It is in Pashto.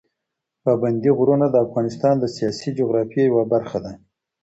پابندي غرونه د افغانستان د سیاسي جغرافیه یوه برخه ده.